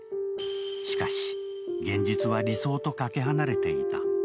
しかし、現実は理想とかけ離れていた。